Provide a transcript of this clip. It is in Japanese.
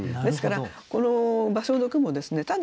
ですからこの芭蕉の句もですね